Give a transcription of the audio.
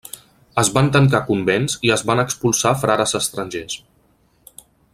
Es van tancar convents i es van expulsar frares estrangers.